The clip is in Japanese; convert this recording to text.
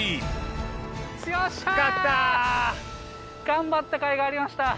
頑張ったかいがありました。